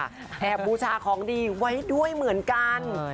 แอบบูชาของดีไว้ด้วยเหมือนกัน